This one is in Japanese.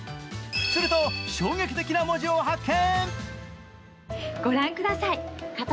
すると、衝撃的な文字を発見。